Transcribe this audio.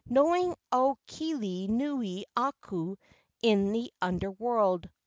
Knowing Aukele nui aku in the Under world.